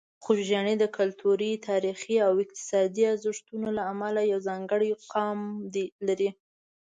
خوږیاڼي د کلتوري، تاریخي او اقتصادي ارزښتونو له امله یو ځانګړی مقام لري.